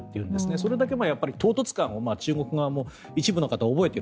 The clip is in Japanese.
それだけ唐突感を中国側も一部の方は覚えている。